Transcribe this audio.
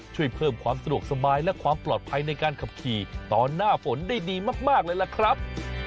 ช่วยเพิ่มความสะดวกสบายและความปลอดภัยในการขับขี่ตอนหน้าฝนได้ดีมากเลยล่ะครับ